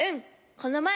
このまえ